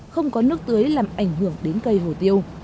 không có nước tưới làm ảnh hưởng đến cây hồ tiêu